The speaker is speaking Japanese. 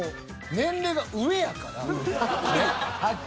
年齢が上やって。